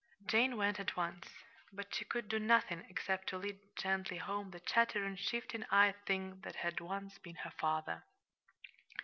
Jane went at once but she could do nothing except to lead gently home the chattering, shifting eyed thing that had once been her father.